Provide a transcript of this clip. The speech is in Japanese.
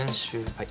はい。